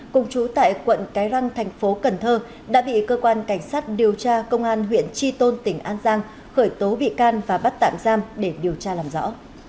cùng chú tại quận cái răng thành phố cần thơ đã bị cơ quan cảnh sát điều tra công an huyện tri tôn tỉnh an giang khởi tố bị can và bắt tạm giam để điều tra làm rõ